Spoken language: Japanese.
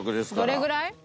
どれぐらい？